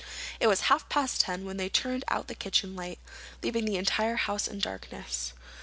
It was half past ten when they turned out the kitchen light, leaving the entire house in darkness.